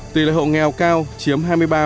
tỷ lệ hậu nghèo cao chiếm hai mươi ba một mươi hai